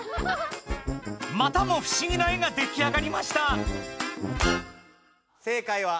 またもふしぎな絵が出来上がりました！